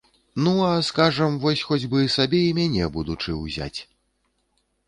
Ну, а, скажам, вось хоць бы сабе і мяне, будучы, узяць.